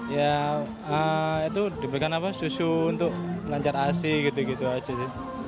ya itu diberikan apa susu untuk melancar asi gitu gitu aja sih